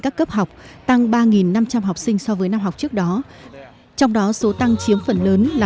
các cấp học tăng ba năm trăm linh học sinh so với năm học trước đó trong đó số tăng chiếm phần lớn là